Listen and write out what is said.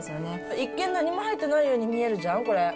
一見何も入ってないように見えるじゃん、これ。